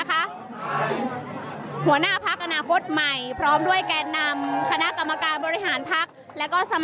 กูน่าพักกันาครดใหม่พร้อมด้วยแก่หนำคณะกรรมการมรี่หารพัก